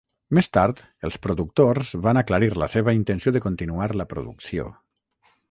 Més tard els productors van aclarir la seva intenció de continuar la producció.